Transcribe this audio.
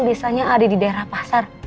misalnya ada di daerah pasar